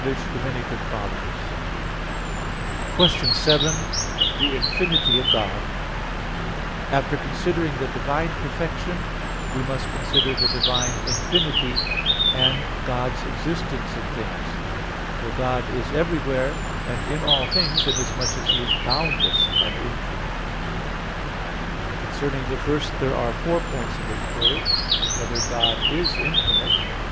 _______________________ QUESTION 7 THE INFINITY OF GOD (In Four Articles) After considering the divine perfection we must consider the divine infinity, and God's existence in things: for God is everywhere, and in all things, inasmuch as He is boundless and infinite. Concerning the first, there are four points of inquiry: (1) Whether God is infinite?